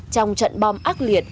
trong trận bom ác liệt